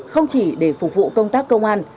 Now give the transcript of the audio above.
không chỉ để phục vụ công tác công an